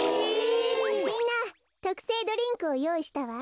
みんなとくせいドリンクをよういしたわ。